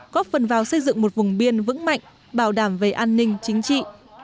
góp phần vào xây dựng một vùng biên vững mạnh bảo đảm về an ninh chính trị